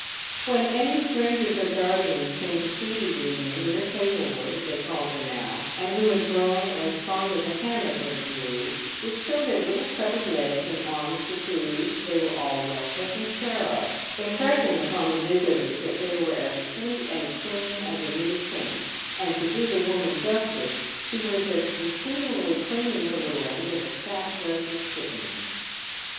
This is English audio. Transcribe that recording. When any strangers or guardians came to see the Union, Nurse Hazlewood, as they called her now, and who had grown as fond as a hen of her brood, would show their little chubby legs and arms to prove they were " all well taken care of," impressing upon the visi tors that they were as "sweet and clean as a new pink" — and to do the woman justice, she was as continually cleaning her little ones as a cat does her kittens.